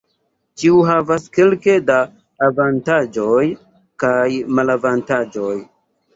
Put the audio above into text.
Ĉiu havas kelke da avantaĝoj kaj malavantaĝoj.